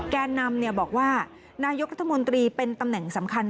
แกนนำบอกว่านายกรัฐมนตรีเป็นตำแหน่งสำคัญ